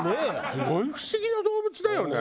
すごい不思議な動物だよね